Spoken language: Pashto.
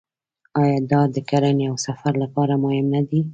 آیا دا د کرنې او سفر لپاره مهم نه دی؟